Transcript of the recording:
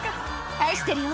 「愛してるよ」